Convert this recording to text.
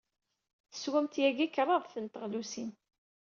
Teswamt yagi kraḍt n teɣlusin.